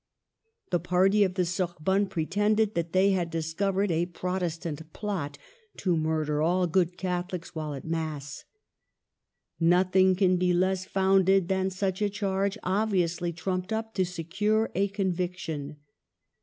The party of the Sorbonne pre tended that they had discovered a Protestant plot to murder all good Catholics while at Mass. Nothing can be less founded than such a charge, obviously trumped up to secure a conviction.